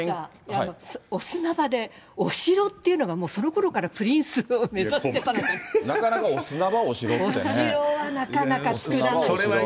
宮根さん、お城っていうのが、もうそのころからプリンスを目指なかなか、お城はなかなか作らない。